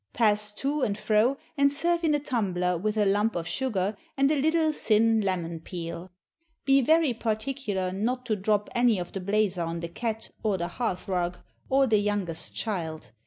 Pass to and fro, and serve in a tumbler, with a lump of sugar and a little thin lemon peel. Be very particular not to drop any of the blazer on the cat, or the hearth rug, or the youngest child.